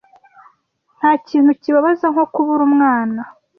Ntakintu kibabaza nko kubura umwana.